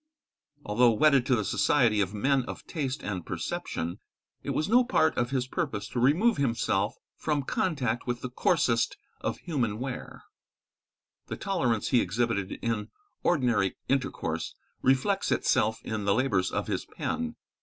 Although wedded to the society of men of taste and perception, it was no part of his purpose to remove himself from contact with the coarsest of human ware. The tolerance he exhibited in ordinary intercourse reflects itself in the labours of his pen.